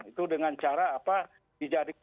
itu dengan cara apa